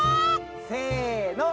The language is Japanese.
せの。